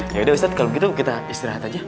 ya udah ustadz kalau begitu kita istirahat aja